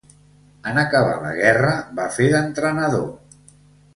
En acabar la guerra va fer d'entrenador.